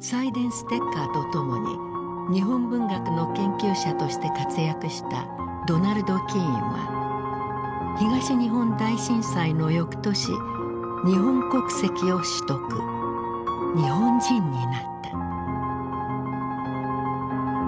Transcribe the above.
サイデンステッカーと共に日本文学の研究者として活躍したドナルド・キーンは東日本大震災の翌年日本国籍を取得日本人になった。